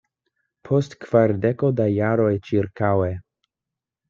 Post kvardeko da jaroj ĉirkaŭe.